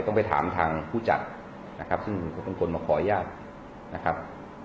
ต้องไปถามทางผู้จัดนะครับซึ่งเขาเป็นคนมาขออนุญาตนะครับ